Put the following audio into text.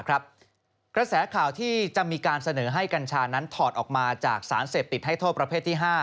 กระแสข่าวที่จะมีการเสนอให้กัญชานั้นถอดออกมาจากสารเสพติดให้โทษประเภทที่๕